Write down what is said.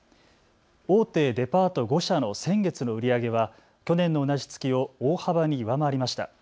大手デパート５社の先月の売り上げは去年の同じ月を大幅に上回りました。